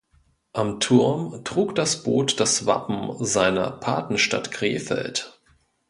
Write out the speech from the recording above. Am Turm trug das Boot das Wappen seiner Patenstadt Krefeld.